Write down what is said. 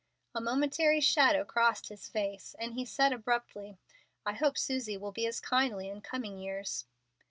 A momentary shadow crossed his face, and he said, abruptly, "I hope Susie will be as kindly in coming years."